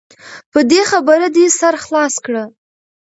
په دې خبره دې سر خلاص کړه .